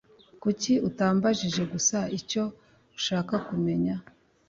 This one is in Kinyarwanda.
Kuki utambajije gusa icyo ushaka kumenya